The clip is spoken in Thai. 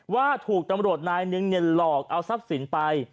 ว่าถูกตำรวจนายหนึ่งหลอกเอาทรัพย์สินไป